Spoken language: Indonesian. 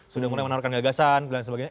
sudah mulai menaruhkan gagasan dan sebagainya